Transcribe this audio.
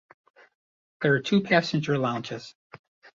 There are two passenger lounges.